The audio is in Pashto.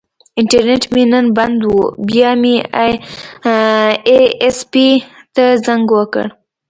انټرنیټ مې نن بند و، بیا مې ائ ایس پي ته زنګ وکړ.